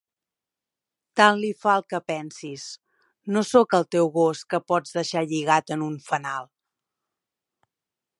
Tant li fa el que pensis, no sóc el teu gos que pots deixar lligat en un fanal.